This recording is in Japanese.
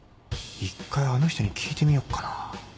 １回あの人に聞いてみよっかなぁ。